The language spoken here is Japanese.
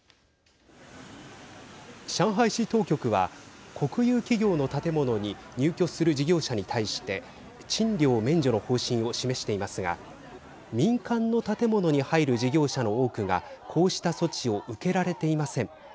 上海市当局は国有企業の建物に入居する事業者に対して賃料免除の方針を示していますが民間の建物に入る事業者の多くがこうした措置を受けられていません。